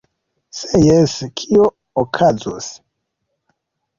Se jes, kio okazus?!